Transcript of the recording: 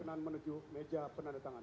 menuju meja penandatangan